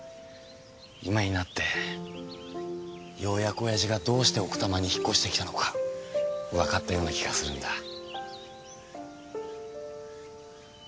今になってようやく親父がどうして奥多摩に引っ越してきたのかわかったような気がするんだ。